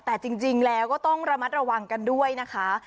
แต่จริงแล้วก็ต้องระมัดระวังกันด้วยนะคะ